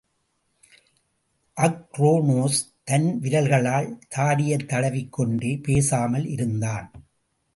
அக்ரோனோஸ், தன் விரல்களால் தாடியைத் தடவிக் கொண்டே, பேசாமல் இருந்தான்.